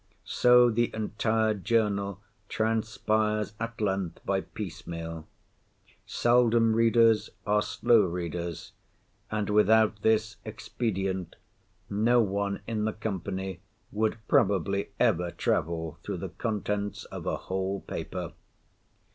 So the entire journal transpires at length by piece meal. Seldom readers are slow readers, and, without this expedient no one in the company would probably ever travel through the contents of a whole paper.